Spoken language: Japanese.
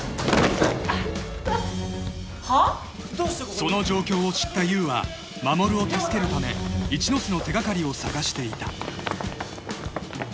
［その状況を知った優は衛を助けるため一ノ瀬の手掛かりを捜していた］